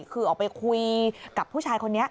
คือออกไปคุยกับผู้ชายคนนี้